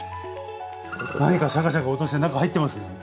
何かシャカシャカ音して何か入ってますよね。